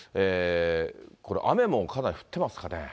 これ、雨もかなり降ってますかね。